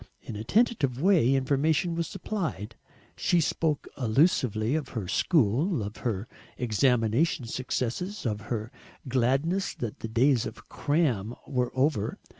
In a tentative way information was supplied; she spoke allusively of her school, of her examination successes, of her gladness that the days of "Cram" were over.